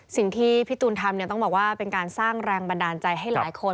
สิ่งที่พี่ตูนทำเนี่ยต้องบอกว่าเป็นการสร้างแรงบันดาลใจให้หลายคน